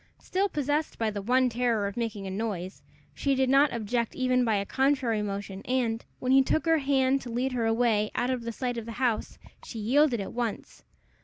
Still possessed by the one terror of making a noise, she did not object even by a contrary motion, and, when he took her hand to lead her away out of sight of the house, she yielded at once.